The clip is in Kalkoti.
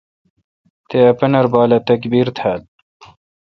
تے ا پنر بال اے°تکبیر تھال۔